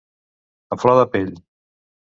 A flor de pell.